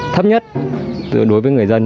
thấp nhất đối với người dân